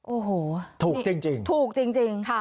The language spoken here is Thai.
โอ้โหถูกจริงจริงถูกจริงจริงค่ะ